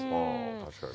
確かに。